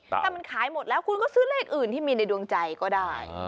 ถ้ามันขายหมดแล้วคุณก็ซื้อเลขอื่นที่มีในดวงใจก็ได้